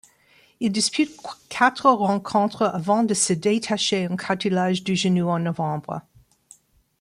Il dispute quatre rencontres avant de se détacher un cartilage du genou en novembre.